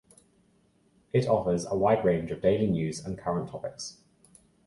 It offers a wide range of daily news and current topics.